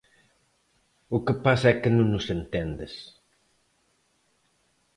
O que pasa é que non os entendes.